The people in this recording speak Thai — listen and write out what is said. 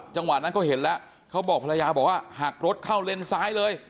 จังหวะนั้นเขาเห็นแล้วเขาบอกภรรยาบอกว่าหักรถเข้าเลนซ้ายเลย